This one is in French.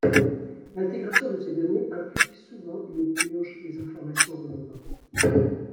L'intégration de ces données implique souvent une purge des informations redondantes.